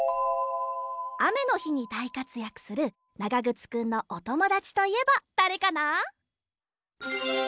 あめのひにだいかつやくするながぐつくんのおともだちといえばだれかな？